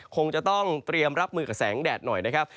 คงจะต้องเตรียมรับมือกับแสงแดดหน่อยนะครับ